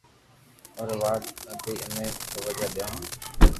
ائرو وات نيي امي توجِ ديو ھون